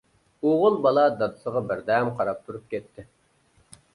ئوغۇل بالا دادىسىغا بىردەم قاراپ تۇرۇپ كەتتى.